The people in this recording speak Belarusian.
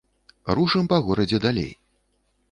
Рушым па горадзе далей.